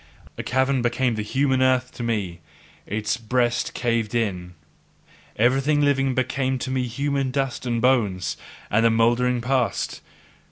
A cavern, became the human earth to me; its breast caved in; everything living became to me human dust and bones and mouldering past.